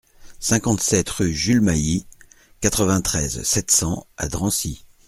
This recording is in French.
cinquante-sept rue Jules Mailly, quatre-vingt-treize, sept cents à Drancy